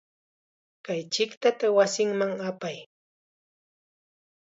Kay chiqtata wasiman apay.